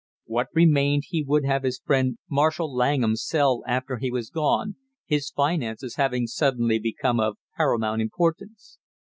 What remained he would have his friend Marshall Langham sell after he was gone, his finances having suddenly become of paramount importance.